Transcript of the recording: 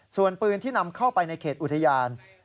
ส่วนปืนที่นำเข้าไปในเขตอุทยาน